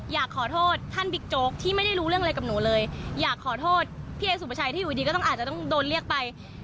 อยากขอโทษพี่เอ๋สุปชัยที่อยู่ดีก็อาจจะต้องโดนเรียกไป